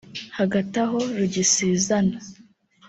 Hagati aho rugisizana